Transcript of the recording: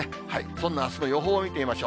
そんなあすの予報を見てみましょ